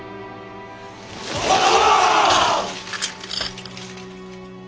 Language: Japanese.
おう！